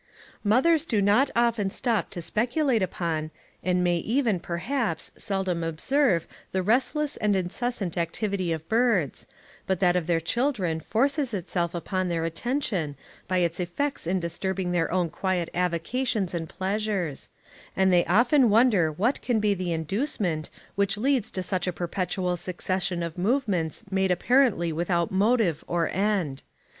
Mothers do not often stop to speculate upon, and may even, perhaps, seldom observe the restless and incessant activity of birds, but that of their children forces itself upon their attention by its effects in disturbing their own quiet avocations and pleasures; and they often wonder what can be the inducement which leads to such a perpetual succession of movements made apparently without motive or end.